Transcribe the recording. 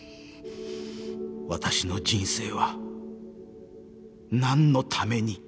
私の人生はなんのために